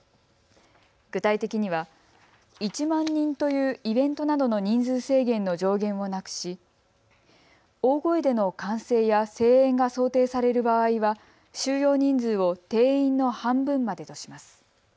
具体的には１万人というイベントなどの人数制限の上限をなくし、大声での歓声や声援が想定される場合は収容人数を定員の半分までとします。